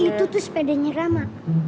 itu tuh sepedanya rama